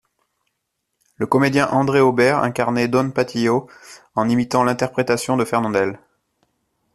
Le comédien André Aubert incarnait don Patillo en imitant l'interprétation de Fernandel.